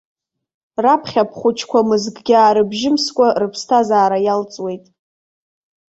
Раԥхьа бхәыҷқәа мызкгьы аарыбжьымскәа рыԥсҭазаара иалҵуеит.